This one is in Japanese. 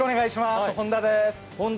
本田です。